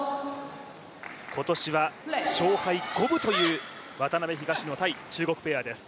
今年は勝敗五分という渡辺・東野×中国ペアです。